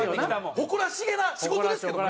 誇らしげな仕事ですけどね。